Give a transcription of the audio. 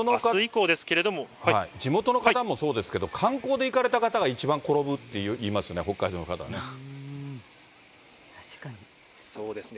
地元の方もそうですけど、観光で行かれた方が、一番転ぶっていいますよね、北海道の方はね。